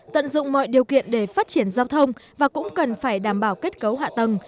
tận dụng mọi điều kiện để phát triển giao thông và cũng cần phải đảm bảo kết cấu hạ tầng